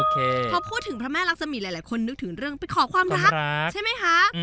พอพูดถึงพระแม่รักษมีหลายคนนึกถึงเรื่องไปขอความรักใช่ไหมคะ